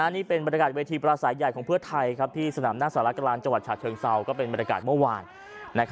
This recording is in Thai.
นี่เป็นบรรยากาศเวทีปราศัยใหญ่ของเพื่อไทยที่สนามหน้าสารกลางจังหวัดฉะเชิงเซาก็เป็นบรรยากาศเมื่อวาน